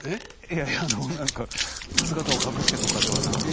いやいやあの何か姿を隠してとかではなく？